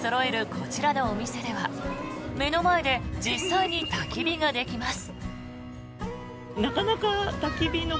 こちらのお店では目の前で実際にたき火ができます。